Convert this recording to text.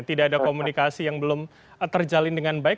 tidak ada komunikasi yang belum terjalin dengan baik